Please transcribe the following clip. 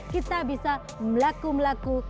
kita bisa melaku melaku